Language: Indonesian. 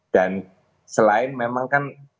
dan selain memang kan